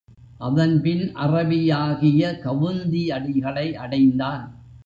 அதன்பின் அறவியாகிய கவுந்தியடிகளை அடைந்தான்.